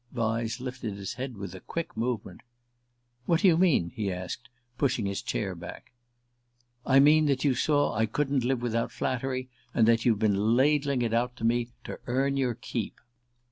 Vyse lifted his head with a quick movement. "What do you mean?" he asked, pushing his chair back. "I mean that you saw I couldn't live without flattery, and that you've been ladling it out to me to earn your keep."